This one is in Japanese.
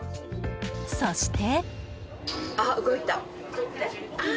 そして。